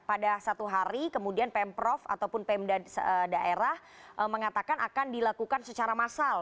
pada satu hari kemudian pemprov ataupun pemda daerah mengatakan akan dilakukan secara massal